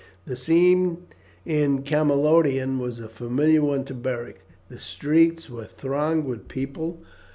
The scene in Camalodunum was a familiar one to Beric. The streets were thronged with people.